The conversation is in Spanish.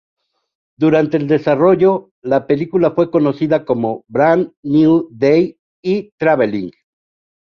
Durante el desarrollo, la película fue conocida como Bran New Day y Traveling.